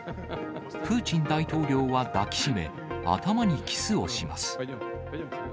プーチン大統領は抱き締め、頭にキスをします。